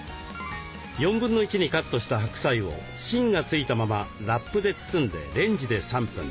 1/4にカットした白菜を芯がついたままラップで包んでレンジで３分。